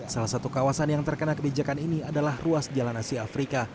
salah satu kawasan yang terkena kebijakan ini adalah ruas jalan asia afrika